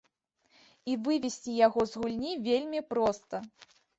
І вывесці яго з гульні вельмі проста.